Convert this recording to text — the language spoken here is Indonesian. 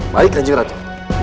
baik kanjeng ratu